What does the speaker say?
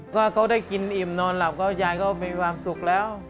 ถ้าเขาได้กินอิ่มนอนหลับก็ยายก็มีความสุขแล้ว